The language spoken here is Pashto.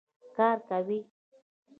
کار کوي.